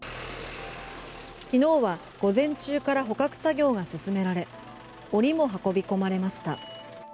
昨日は午前中から捕獲作業が進められ檻も運び込まれました。